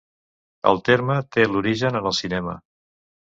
El terme té l'origen en el cinema.